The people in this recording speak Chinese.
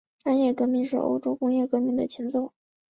商业革命是欧洲工业革命的前奏。